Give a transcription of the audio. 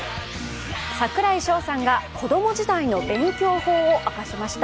櫻井翔さんが子供時代の勉強法を明かしました。